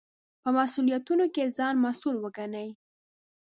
په مسوولیتونو کې ځان مسوول وګڼئ.